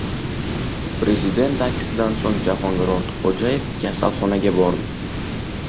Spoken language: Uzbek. Prezident dakkisidan so‘ng Jahongir Ortiqxo‘jayev kasalxonaga bordi